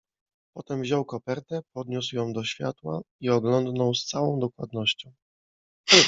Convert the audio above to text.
"Potem wziął kopertę, podniósł ją do światła i oglądnął z całą dokładnością."